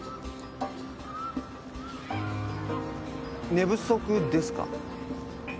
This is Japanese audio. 寝不足ですか？